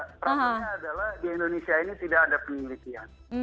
problemnya adalah di indonesia ini tidak ada penelitian